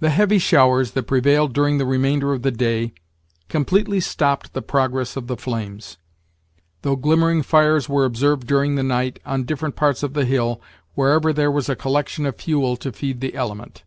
The heavy showers that prevailed during the remainder of the day completely stopped the progress of the flames; though glimmering fires were observed during the night, on different parts of the hill, wherever there was a collection of fuel to feed the element.